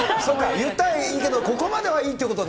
言ったはいいけど、ここまではいいってことね。